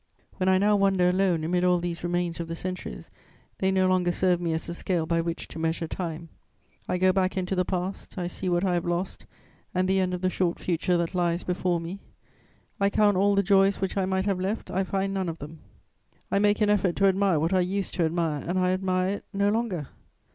When I now wander alone amid all these remains of the centuries, they no longer serve me as a scale by which to measure time: I go back into the past, I see what I have lost and the end of the short future that lies before me; I count all the joys which I might have left, I find none of them; I make an effort to admire what I used to admire, and I admire it no longer.